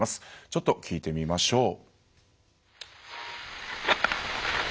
ちょっと聴いてみましょう。